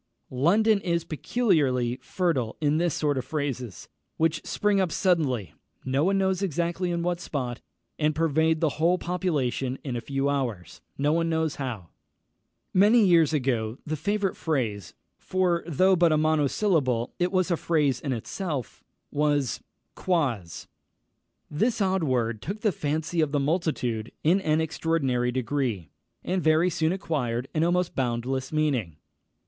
London is peculiarly fertile in this sort of phrases, which spring up suddenly, no one knows exactly in what spot, and pervade the whole population in a few hours, no one knows how. Many years ago the favourite phrase (for, though but a monosyllable, it was a phrase in itself) was Quoz. This odd word took the fancy of the multitude in an extraordinary degree, and very soon acquired an almost boundless meaning.